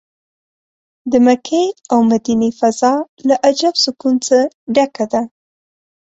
د مکې او مدینې فضا له عجب سکون څه ډکه ده.